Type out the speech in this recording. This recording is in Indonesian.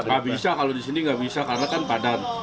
nggak bisa kalau di sini nggak bisa karena kan padan